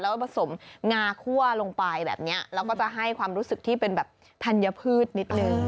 แล้วก็ผสมงาคั่วลงไปแบบนี้แล้วก็จะให้ความรู้สึกที่เป็นแบบธัญพืชนิดนึง